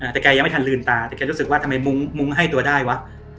แต่แกยังไม่ทันลืมตาแต่แกรู้สึกว่าทำไมมุ้งให้ตัวได้วะ